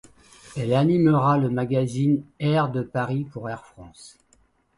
Elle animera le magazine Air de Paris pour Air France.